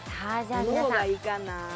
どの子がいいかな？